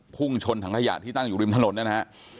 ภูมิชนถังทะยาที่ตั้งอยู่ริมถนนนะครับ